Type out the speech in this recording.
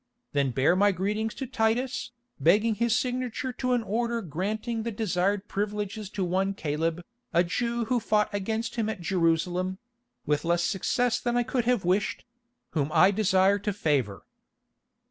Then bear my greetings to Titus, begging his signature to an order granting the desired privileges to one Caleb, a Jew who fought against him at Jerusalem—with less success than I could have wished—whom I desire to favour."